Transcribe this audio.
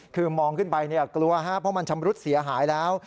คือมองขึ้นไปกลัวเพราะมันชำรุดเสียหายแล้ว